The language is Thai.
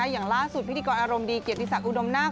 อย่างล่าสุดพิธีกรอารมณ์ดีเกียรติศักดิอุดมนาค